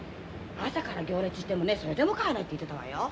朝から行列してもねそれでも買えないって言ってたわよ。